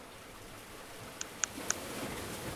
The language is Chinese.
海牙大学的主校区即位在拉克。